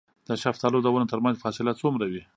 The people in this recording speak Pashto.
د شفتالو د ونو ترمنځ فاصله څومره وي؟